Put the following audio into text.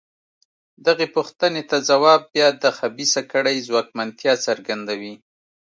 دغې پوښتنې ته ځواب بیا د خبیثه کړۍ ځواکمنتیا څرګندوي.